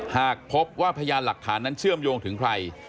หากพบว่าพยานหลักฐานนั้นเชื่อมโยงถึงใคร